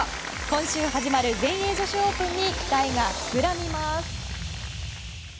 今週始まる全英オープンに期待が膨らみます。